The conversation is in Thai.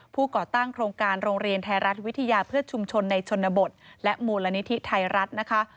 ก่อตั้งโครงการโรงเรียนไทยรัฐวิทยาเพื่อชุมชนในชนบทและมูลนิธิไทยรัฐนะคะ